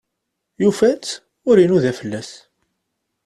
Yufa-tt ur inuda fell-as.